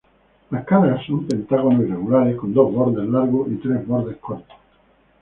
Las caras son pentágonos irregulares con dos bordes largos y tres bordes cortos.